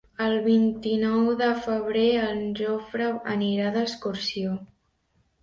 El vint-i-nou de febrer en Jofre anirà d'excursió.